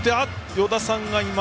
与田さんが今。